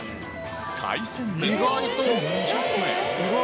海鮮弁当１２００円。